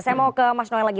saya mau ke mas noel lagi